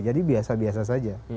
jadi biasa biasa saja